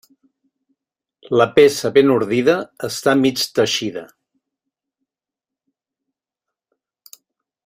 La peça ben ordida està mig teixida.